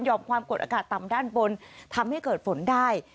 ความกดอากาศต่ำด้านบนทำให้เกิดฝนได้